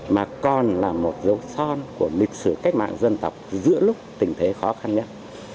mà còn là một dấu son của lịch sử cách mạng dân tộc giữa lúc tình thế khó khăn nhất